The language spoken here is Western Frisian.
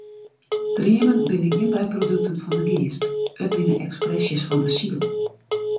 Dreamen binne gjin byprodukten fan de geast, it binne ekspresjes fan de siel.